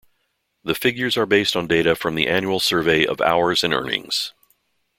The figures are based on data from the Annual Survey of Hours and Earnings.